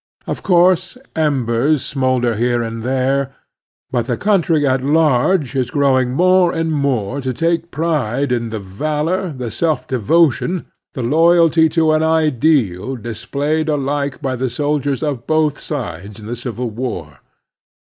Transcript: Of course embers smolder here and there ; but the P country at large is growing more and more to take pride in the valor, the self devotion, the loyalty to an ideal, displayed alike by the soldiers of both sides in the Civil War.